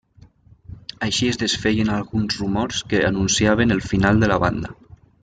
Així es desfeien alguns rumors que anunciaven el final de la banda.